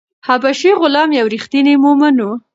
حبشي غلام یو ریښتینی مومن و.